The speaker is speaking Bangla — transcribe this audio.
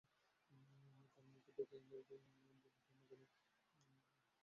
তার মুখ দেখেই আমার বুক দমে গেল।